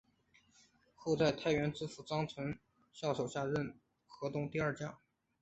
后在太原知府张孝纯手下任河东第二将。